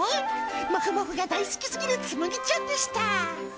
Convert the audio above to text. もふもふが大好きすぎるつむぎちゃんでした。